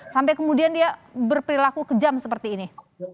sampai kemudian dia berperilaku kejam seperti ini